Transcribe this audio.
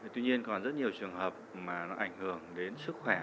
tuy nhiên còn rất nhiều trường hợp mà nó ảnh hưởng đến sức khỏe